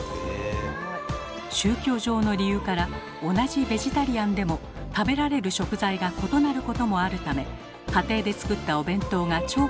宗教上の理由から同じベジタリアンでも食べられる食材が異なることもあるため家庭で作ったお弁当が重宝されています。